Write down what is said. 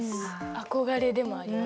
憧れでもあります。